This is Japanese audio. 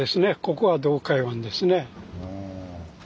ここは洞海湾ですね。